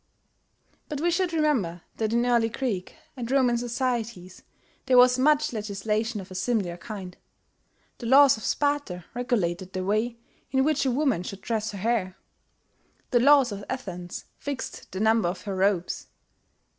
... But we should remember that in early Greek and Roman societies there was much legislation of a similar kind. The laws of Sparta regulated the way in which a woman should dress her hair; the laws of Athens fixed the number of her robes.